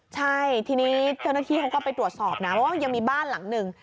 ใช่ทีนี้เจ้าหน้าที่เขาก็ไปตรวจสอบนะเพราะว่ายังมีบ้านหลังหนึ่ง